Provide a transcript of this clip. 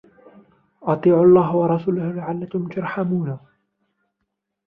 وأطيعوا الله والرسول لعلكم ترحمون